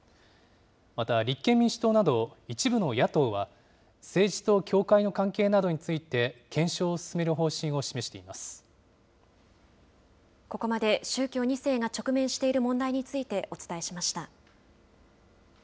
また、立憲民主党など一部の野党は、政治と教会の関係などについて、検証を進める方針を示していここまで、宗教２世が直面している問題についてお伝えしました。